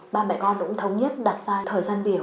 ba mẹ con cũng thống nhất đặt ra thời gian biểu